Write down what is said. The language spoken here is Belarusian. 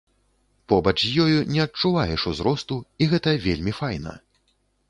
Побач з ёю не адчуваеш узросту, і гэта вельмі файна.